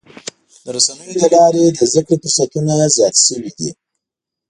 د رسنیو له لارې د زدهکړې فرصتونه زیات شوي دي.